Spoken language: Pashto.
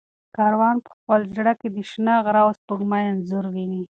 کاروان په خپل زړه کې د شنه غره او سپوږمۍ انځور ویني.